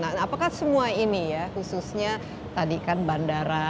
nah apakah semua ini ya khususnya tadi kan bandara